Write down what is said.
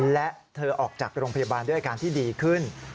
และเธอออกจากโรงพยาบาลด้วยอาการที่ดีขึ้น